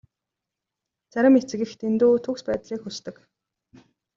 Зарим эцэг эх дэндүү төгс байдлыг хүсдэг.